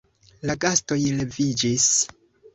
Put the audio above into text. La gastoj leviĝis.